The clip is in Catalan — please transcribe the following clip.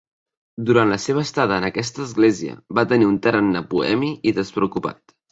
Durant la seva estada en aquesta església va tenir un tarannà bohemi i despreocupat.